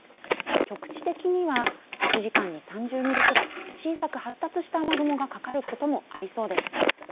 局地的には１時間に３０ミリくらい、小さく発達した雨雲がかかることもありそうです。